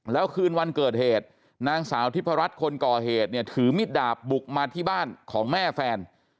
แล้วคืนวันเกิดเหตุนางสาวทิพรัชคนก่อเหตุเนี่ยถือมิดดาบบุกมาที่บ้านของแม่แฟน